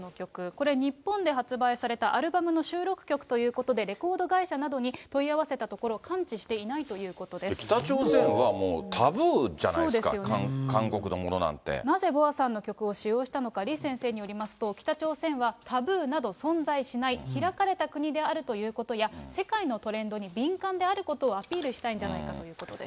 これ、日本で発売されたアルバムの収録曲ということで、レコード会社などに問い合わせたところ、北朝鮮は、もうタブーじゃないですか、なぜＢｏＡさんの曲を使用したのか、李先生によりますと、北朝鮮はタブーなど存在しない、開かれた国であるということや、世界のトレンドに敏感であることをアピールしたいんじゃないかということです。